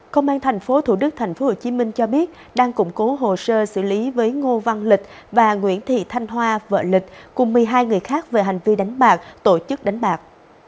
công an thành phố thủ đức thành phố hồ chí minh cho biết đang củng cố hồ sơ xử lý với ngô văn lịch và nguyễn thị thanh hoa vợ lịch cùng một mươi hai người khác về hành vi đánh bạc tổ chức đánh bạc